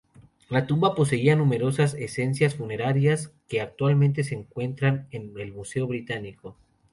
La tumba poseía numerosas escenas funerarias que actualmente se encuentran en el Museo Británico.